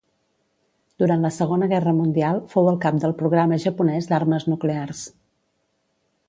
Durant la Segona Guerra Mundial, fou el cap del programa japonès d'armes nuclears.